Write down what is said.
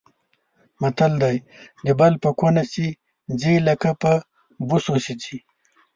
متل دی: د بل په کونه چې ځي لکه په بوسو چې ځي.